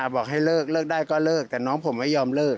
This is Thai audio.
บอกให้เลิกเลิกได้ก็เลิกแต่น้องผมไม่ยอมเลิก